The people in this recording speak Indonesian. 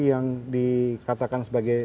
yang dikatakan sebagai